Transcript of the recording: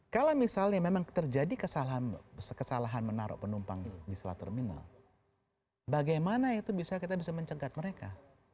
kalau misalnya memang terjadi kesalahan menaruh penumpang di selat terminal bagaimana itu bisa kita bisa mencegat mereka